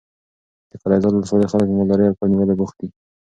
د قلعه زال ولسوالۍ خلک په مالدارۍ او کب نیولو بوخت دي.